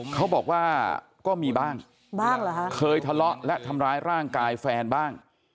เขาบอกว่าก็มีบ้างเหรอคะเคยทะเลาะและทำร้ายร่างกายแฟนบ้าง